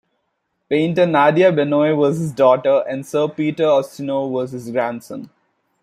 Painter Nadia Benois was his daughter, and Sir Peter Ustinov was his grandson.